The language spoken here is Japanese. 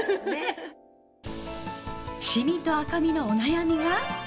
シミと赤みのお悩みが。